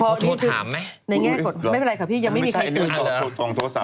ก็โทรถามไหมโดยไม่เป็นไรนะครับพี่ยังไม่มีใครกลลับ